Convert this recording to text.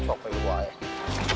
sobat luar ya